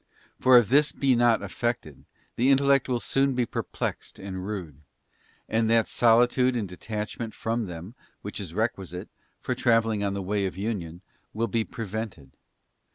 For if this be not effected, the intellect will be perplexed and rude; and that solitude and detach ment from them, which is requisite for travelling on the Way of Union, will be prevented.